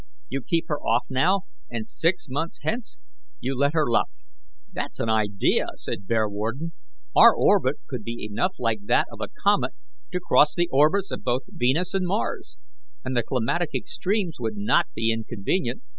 You keep her off now, and six months hence you let her luff." "That's an idea!" said Bearwarden. "Our orbit could be enough like that of a comet to cross the orbits of both Venus and Mars; and the climatic extremes would not be inconvenient.